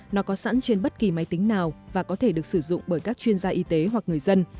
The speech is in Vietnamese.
nó có sẵn trên bất kỳ máy tính nào và có thể được sử dụng bởi các chuyên gia y tế hoặc người dân